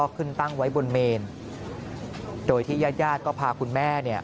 ขึ้นตั้งไว้บนเมนโดยที่ญาติญาติก็พาคุณแม่เนี่ย